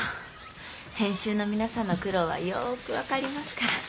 編集の皆さんの苦労はよく分かりますから。